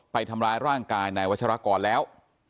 ไปทำร้ายร่างกายนายวัชรากรแล้ว